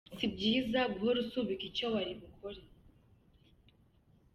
Si byiza guhora usubika icyo wari bukore.